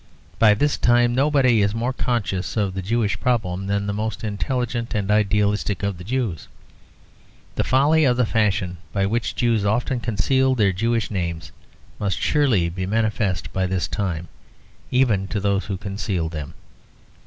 By this time nobody is more conscious of the Jewish problem than the most intelligent and idealistic of the Jews. The folly of the fashion by which Jews often concealed their Jewish names, must surely be manifest by this time even to those who concealed them.